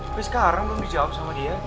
tapi sekarang belum dijawab sama dia